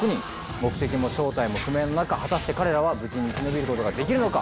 目的も正体も不明の中果たして彼らは無事に生き延びることができるのか？